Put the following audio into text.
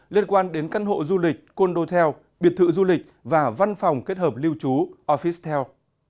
liên quan đến căn hộ du lịch condo theo biệt thự du lịch và văn phòng kết hợp lưu trú office theo